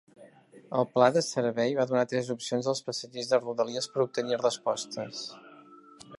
El pla de servei va donar tres opcions als passatgers de rodalies per obtenir respostes.